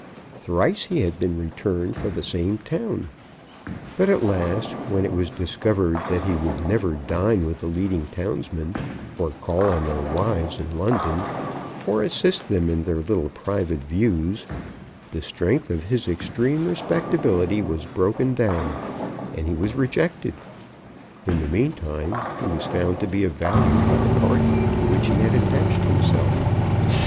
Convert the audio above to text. Thrice he had been returned for the same town; but at last, when it was discovered that he would never dine with the leading townsmen, or call on their wives in London, or assist them in their little private views, the strength of his extreme respectability was broken down, and he was rejected. In the meantime he was found to be of value by the party to which he had attached himself.